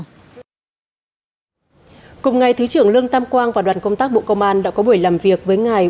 cùng ngày thứ trưởng lương tam quang và đoàn công tác bộ công an đã có buổi làm việc với ngài